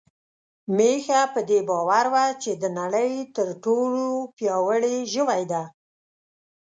میښه په دې باور وه چې د نړۍ تر ټولو پياوړې ژوی ده.